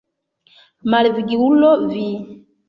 Malviglulo vi!